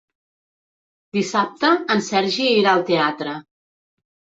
Dissabte en Sergi irà al teatre.